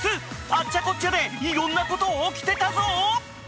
あっちゃこっちゃでいろんなこと起きてたぞ］